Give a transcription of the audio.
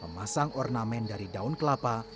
memasang ornamen dari daun kelapa